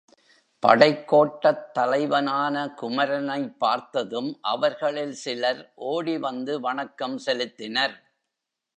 படைக்கோட்டத் தலைவனான குமரனைப் பார்த்ததும் அவர்களில் சிலர் ஓடி வந்து வணக்கம் செலுத்தினர்.